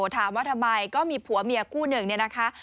ถามว่าทำไมก็มีผัวเมียคู่หนึ่งเนี่ยนะคะ